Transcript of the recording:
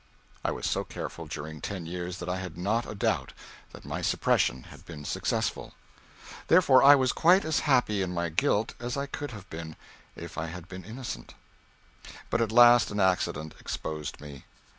I was so careful, during ten years, that I had not a doubt that my suppressions had been successful. Therefore I was quite as happy in my guilt as I could have been if I had been innocent. But at last an accident exposed me.